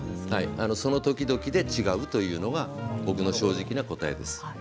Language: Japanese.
その時々で違うというのが僕の正直な答えです。